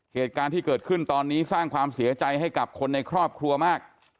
เหตุการณ์ที่เกิดขึ้นตอนนี้สร้างความเสียใจให้กับคนในครอบครัวมาก